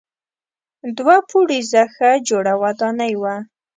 دوه پوړیزه ښه جوړه ودانۍ وه.